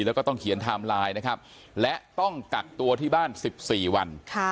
แล้วก็ต้องเขียนไทม์ไลน์นะครับและต้องกักตัวที่บ้าน๑๔วัน